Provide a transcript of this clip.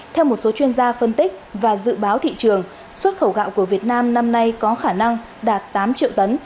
theo một số chuyên gia phân tích và dự báo thị trường xuất khẩu gạo của việt nam năm nay có khả năng đạt tám triệu tấn